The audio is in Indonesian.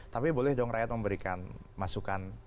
tapi boleh dong rakyat memberikan masukan